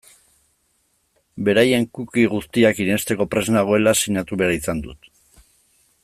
Beraien cookie guztiak irensteko prest nagoela sinatu behar izan dut.